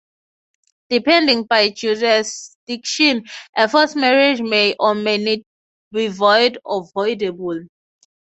Depending by jurisdiction, a forced marriage may or may not be void or voidable.